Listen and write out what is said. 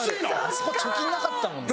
そこ貯金なかったもんな。